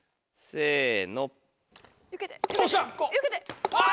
せの。